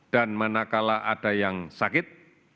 dan manakala ada yang sakit